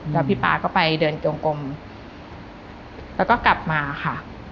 แล้วพี่ป๊าก็ไปเดินจงกลมแล้วก็กลับมาค่ะ